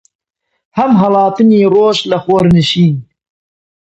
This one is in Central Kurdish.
هەم هەڵاتنی ڕۆژ لە خۆرنشین